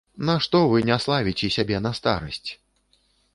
Нашто вы няславіце сябе на старасць?